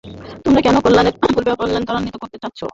তোমরা কেন কল্যাণের পূর্বে অকল্যাণ ত্বরান্বিত করতে চাচ্ছ?